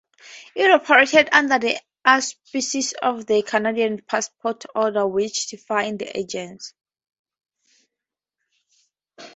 It operated under the auspices of the "Canadian Passport Order" which defined the agency.